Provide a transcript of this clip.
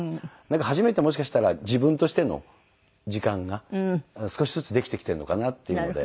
初めてもしかしたら自分としての時間が少しずつできてきているのかなっていうので。